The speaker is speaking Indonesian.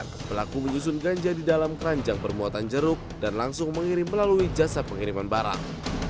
pengiriman barang tersebut diberikan dengan ganja di dalam keranjang bermuatan jeruk dan langsung mengirim melalui jasa pengiriman barang